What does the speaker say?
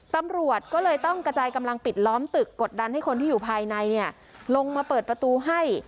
ตำรวจก็เลยต้องกระจายกำลังปิดล้อมตึกกดดันให้คนที่อยู่ภายในลงมาเปิดประตูให้